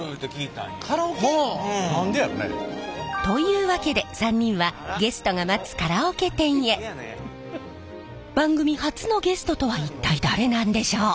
何でやろね？というわけで３人は番組初のゲストとは一体誰なんでしょう？